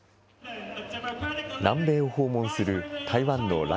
南米を訪問する台湾の頼